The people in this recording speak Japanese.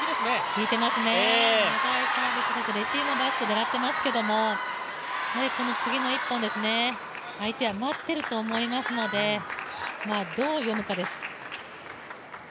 効いていますね、そしてレシーブも狙っていますけど、この次の１本ですね、相手は待ってると思いますのでどう読むかです。